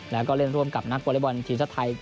แล้วก็เล่นร่วมกับนักวอเล็กบอลทีมชาติไทย